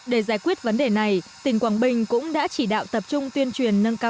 để giải quyết vấn đề này tỉnh quảng bình cũng đã chỉ đạo tập trung tuyên truyền